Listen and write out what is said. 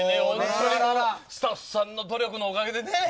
スタッフさんの努力のおかげですね。